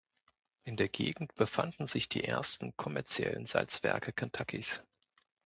In der Gegend befanden sich die ersten kommerziellen Salzwerke Kentuckys.